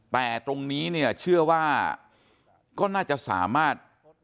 แต่ตรงนี้เนี่ยเชื่อว่าก็น่าจะสามารถ